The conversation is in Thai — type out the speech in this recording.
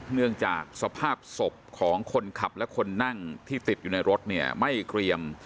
เนื่องจากสภาพศพของคนขับและคนนั่งที่ติดอยู่ในรถเนี่ยไม่เกรียม